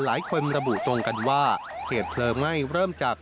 หลายคนระบุตรงกันว่าเหตุเพลิงไหม้เริ่มจาก